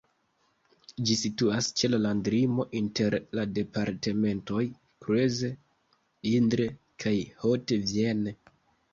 Ĝi situas ĉe la landlimo inter la departementoj Creuse, Indre kaj Haute-Vienne.